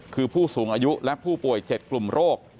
คือผู้สูงอายุและผู้ป่วย๗กลุ่มโรค